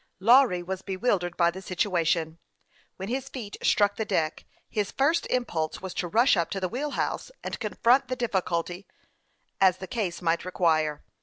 Lawry was bewildered by the situation. When his feet struck the deck, his first impulse was to rush up to the wheel house, and confront the diffi culty as the case might require.